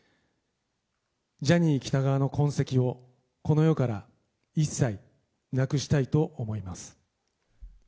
ジャニー喜多川の痕跡をこの世から一切なくしたいと思います。